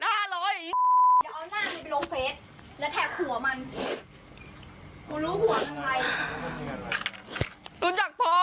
เดี๋ยวเอาหน้าไปลงเฟสแล้วแท็กหัวมัน